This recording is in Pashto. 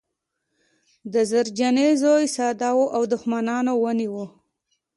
د زرجانې زوی ساده و او دښمنانو ونیوه